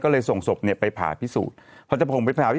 ก็เลยส่งศพไปผ่าพิสูจน์